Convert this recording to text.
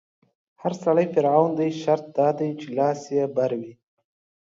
هر سړی فرعون دی، شرط دا دی چې لاس يې بر وي